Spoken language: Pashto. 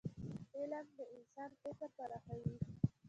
علم د انسان فکر پراخوي.